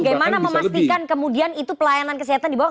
bagaimana memastikan kemudian itu pelayanan kesehatan di bawah